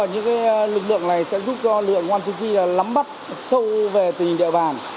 những lực lượng này sẽ giúp cho lượng quan trọng khi lắm bắt sâu về tình địa bàn